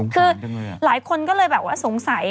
คือหลายคนก็เลยแบบว่าสงสัย